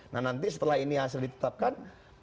nah nanti setelah ini hasil ditetapkan